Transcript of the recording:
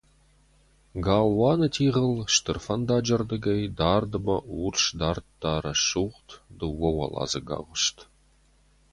Галуаны тигъыл стыр фӕндаджы ʼрдыгӕй дардмӕ урс дардта рӕсугъд, дыууӕуӕладзыг агъуыст.